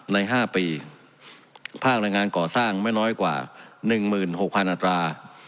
ในห้าปีภาครายงานก่อสร้างไม่น้อยกว่าหนึ่งหมื่นหกพันอัตรา